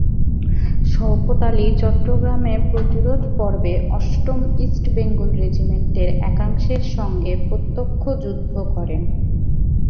শওকত আলী চট্টগ্রামে প্রতিরোধ পর্বে অষ্টম ইস্ট বেঙ্গল রেজিমেন্টের একাংশের সঙ্গে প্রত্যক্ষ যুদ্ধ করেন।